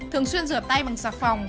thường xuyên rửa tay bằng sạc phòng